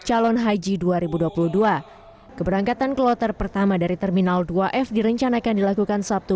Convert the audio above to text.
calon haji dua ribu dua puluh dua keberangkatan kloter pertama dari terminal dua f direncanakan dilakukan sabtu